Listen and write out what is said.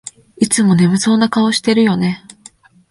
いつも眠そうな顔してるよね